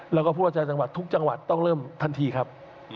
แล้วก็ผู้ราชการจังหวัดทุกจังหวัดต้องเริ่มทันทีครับ